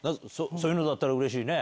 そういうのだったらうれしいね。